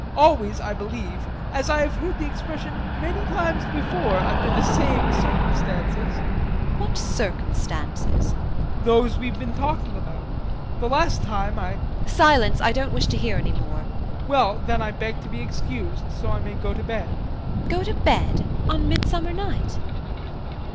JEAN. Always, I believe, as I have heard the expression many times before under the same circumstances. JULIE. What circumstances? JEAN. Those we've been talking about. The last time I JULIE. Silence. I don't wish to hear any more. JEAN. Well, then I beg to be excused so I may go to bed. JULIE. Go to bed! On midsummer night?